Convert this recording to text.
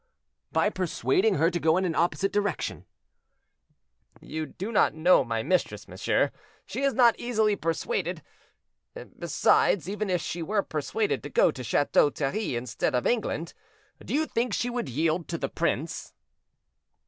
"By persuading her to go in an opposite direction." "You do not know my mistress, monsieur; she is not easily persuaded. Besides, even if she were persuaded to go to Chateau Thierry instead of England, do you think she would yield to the prince?"